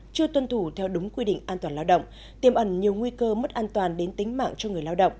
chưa tuân thủ theo đúng quy định an toàn lao động tiêm ẩn nhiều nguy cơ mất an toàn đến tính mạng cho người lao động